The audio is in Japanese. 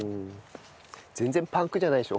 全然パンクじゃないでしょ？